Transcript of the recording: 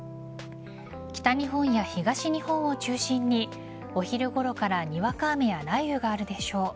北日本や東日本を中心にお昼ごろからにわか雨や雷雨があるでしょう。